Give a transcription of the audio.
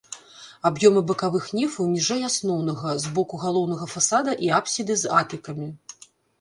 Аб'ёмы бакавых нефаў ніжэй асноўнага, з боку галоўнага фасада і апсіды з атыкамі.